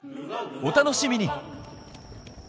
お楽しみに！